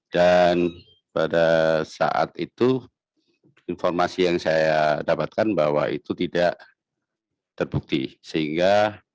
dua ribu tiga belas dan pada saat itu informasi yang saya dapatkan bahwa itu tidak terbukti sehingga